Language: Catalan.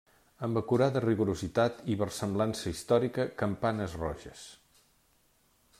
Amb acurada rigorositat i versemblança històrica, Campanes roges.